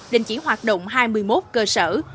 đình chỉ hoạt động hai mươi một cơ sở